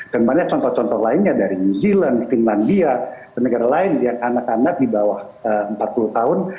dan banyak contoh contoh lainnya dari new zealand finlandia dan negara lain yang anak anak di bawah empat puluh tahun